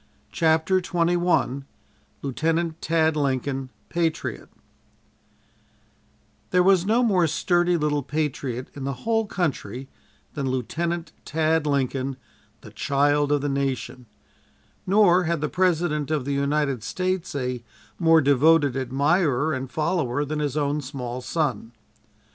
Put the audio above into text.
CHAPTER XXI LIEUTENANT TAD LINCOLN, PATRIOT There was no more sturdy little patriot in the whole country than Lieutenant Tad Lincoln, "the child of the nation," nor had the President of the United States a more devoted admirer and follower than his own small son.